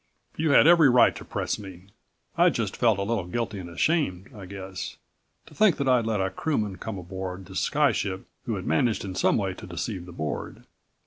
You had every right to press me. I just felt a little guilty and ashamed, I guess to think that I'd let a crewman come aboard this sky ship who had managed in some way to deceive the Board.